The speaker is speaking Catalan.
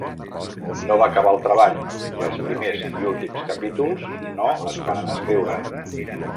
No va acabar el treball, i els primers i últims capítols no es varen escriure.